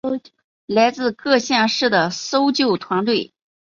来自各县市的搜救团队